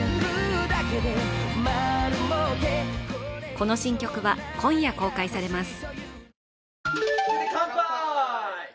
この新曲は今夜、公開されます。